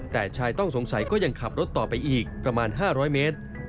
แต่ชายต้องสงสัยก็ยังขับรถต่อไปอีกประมาณ๕๐๐เมตร